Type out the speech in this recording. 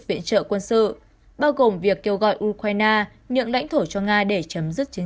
giải phóng trợ quân sự bao gồm việc kêu gọi ukraine nhượng lãnh thổ cho nga để chấm dứt chiến